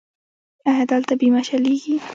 ایا دلته بیمه چلیږي؟